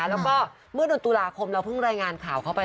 แล้วก็เมื่อเดือนตุลาคมเราเพิ่งรายงานข่าวเข้าไป